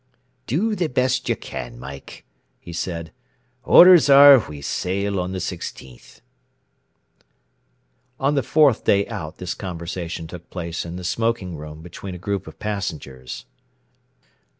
"Do the best you can, Mike," he said; "orders are we sail on the 16th." On the fourth day out this conversation took place in the smoking room between a group of passengers.